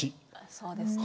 そうですね。